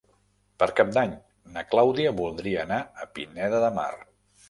Per Cap d'Any na Clàudia voldria anar a Pineda de Mar.